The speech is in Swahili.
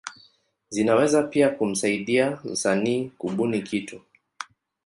Zinaweza pia kumsaidia msanii kubuni kitu.